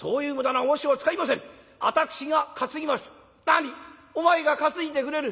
「何お前が担いでくれる？